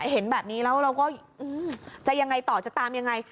เห็นแบบนี้แล้วเราก็จะยังไงต่อจะตามยังไง